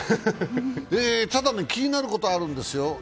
ただ、気になることがあるんですよ。